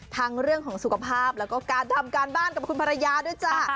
ทั้งเรื่องของสุขภาพแล้วก็การทำการบ้านกับคุณภรรยาด้วยจ้า